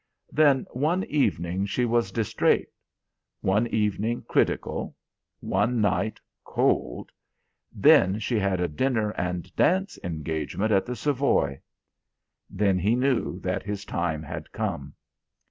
Then one evening she was distrait; one evening, critical; one night, cold; then she had a dinner and dance engagement at the Savoy. Then he knew that his time had come.